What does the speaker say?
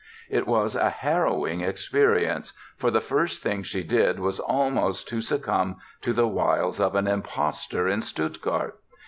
It was a harrowing experience, for the first thing she did was almost to succumb to the wiles of an impostor in Stuttgart.